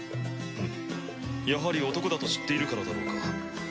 ふむやはり男だと知っているからだろうか。